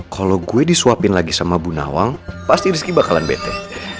kalau gue disuapin lagi sama bu nawang pasti rizky bakalan bete